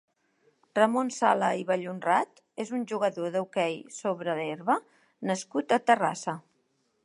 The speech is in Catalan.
Ramon Sala i Vallhonrat és un jugador d'hoquei sobre herba nascut a Terrassa.